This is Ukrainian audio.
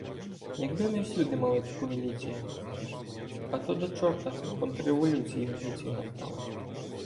— Якби ми всюди мали таку міліцію! Ато до чорта "контрреволюції" в міліцію напхалося.